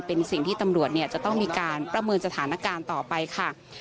เป็นสิ่งที่ตำรวจจะต้องมีการประเมินสถานการณ์ต่อไปค่ะ